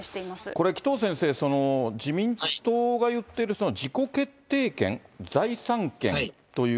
これ、紀藤先生、自民党が言っている自己決定権、財産権とい